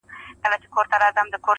o خامخا به څه سُرور د پیالو راوړي,